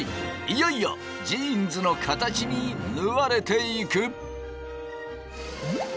いよいよジーンズの形に縫われていく。